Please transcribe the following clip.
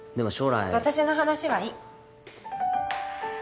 私の話はいい。